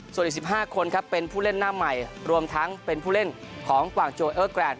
ส่วนอีก๑๕คนครับเป็นผู้เล่นหน้าใหม่รวมทั้งเป็นผู้เล่นของกวางโจเออร์แกรนด